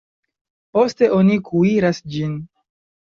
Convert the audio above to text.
Poste oni kuiras ĝin.